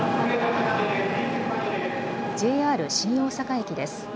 ＪＲ新大阪駅です。